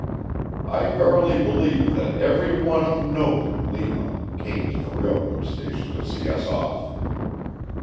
I verily believe that every one of note in Lima came to the railroad station to see us off.